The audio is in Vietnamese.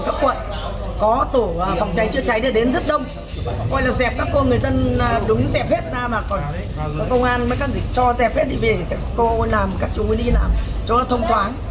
thì về cho cô làm các chủ nguyên đi làm cho nó thông thoáng